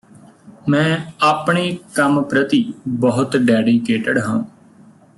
ਮੈਂ ਆਪਣੇ ਕੰਮ ਪ੍ਰਤੀ ਬਹੁਤ ਡੈਡੀਕੇਟਿਡ ਹਾਂ